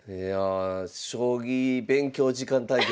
将棋勉強時間対決。